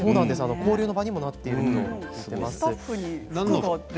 交流の場にもなっています。